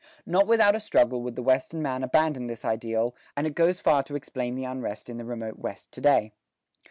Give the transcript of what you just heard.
Not without a struggle would the Western man abandon this ideal, and it goes far to explain the unrest in the remote West to day.